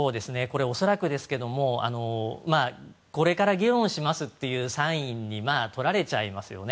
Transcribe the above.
恐らくですけどもこれから議論しますっていうサインに取られちゃいますよね。